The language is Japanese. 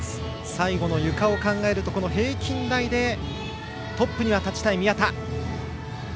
最後のゆかを考えるとこの平均台でトップには立ちたい、宮田。